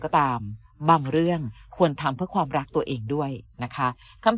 ก็ตามบางเรื่องควรทำเพื่อความรักตัวเองด้วยนะคะคำ